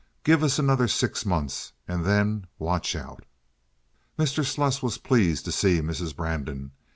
Give us another six months, and then watch out." Mr. Sluss was pleased to see Mrs. Brandon.